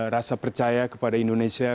rasa percaya kepada indonesia